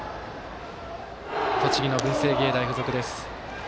栃木の文星芸大付属です。